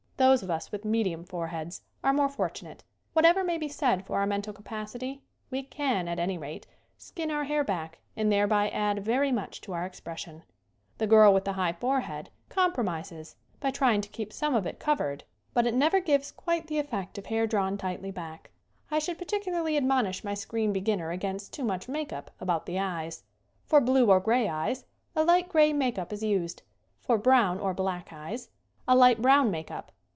Those of us with medium foreheads are more fortunate. Whatever may be said for our mental capacity we can, at any rate, skin our hair back and thereby add very much to our expression. The girl with the high forehead compro mises by trying to keep some of it covered but 61 62 SCREEN ACTING it never gives quite the effect of hair drawn tightly back. I should particularly admonish my screen beginner against too much make up about the eyes. For blue or gray eyes, a light gray make up is used; for brown or black eyes, a light brown make up.